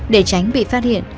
để tránh bị phát hiện